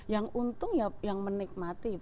yang untung ya yang menikmati